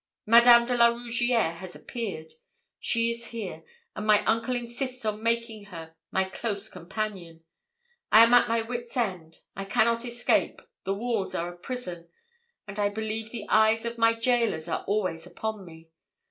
Madame de la Rougierre has appeared! She is here, and my uncle insists on making her my close companion. I am at my wits' ends. I cannot escape the walls are a prison; and I believe the eyes of my gaolers are always upon me.